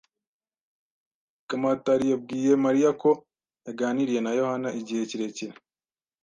Kamatari yabwiye Mariya ko yaganiriye na Yohana igihe kirekire.